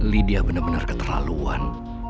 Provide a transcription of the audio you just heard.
lydia benar benar keterlaluan